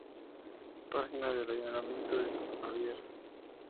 Página del ayuntamiento de San Javier